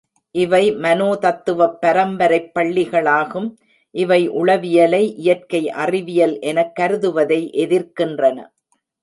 இவை மனோதத்துவப் பரம்பரைப் பள்ளிகளாகும். இவை உளவியலை இயற்கை அறிவியல் எனக் கருதுவதை எதிர்க்கின்றன.